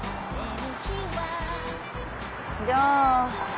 じゃあ。